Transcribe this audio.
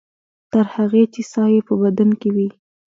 تر هغې چې ساه یې په بدن کې وي.